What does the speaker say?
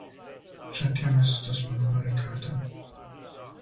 Четири месеца смо на барикадама.